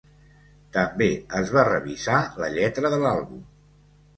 També es va revisar la lletra de l'àlbum.